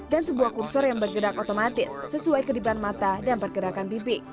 dan sebuah kursor yang bergerak otomatis sesuai kedipan mata dan pergerakan pipi